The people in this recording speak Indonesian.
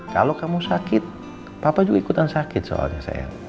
kalau kamu sakit papa juga ikutan sakit soalnya saya